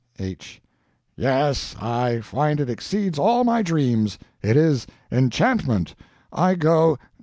H. Yes, I find it exceeds all my dreams. It is enchantment. I go...